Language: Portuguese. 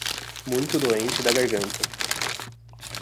Muito doente da garganta